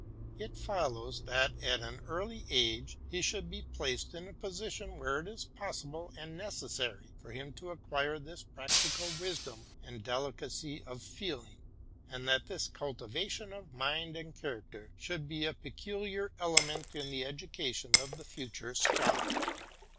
It follows, that at an early age he should be placed in a position where it is possible and ne cessary for him to acquire this practical wisdom and delicacy of feeling, and that this cultivation of mind and character should be a peculiar element in the education of the future Scholar.